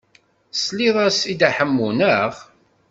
Tesliḍ-as i Dda Ḥemmu, naɣ?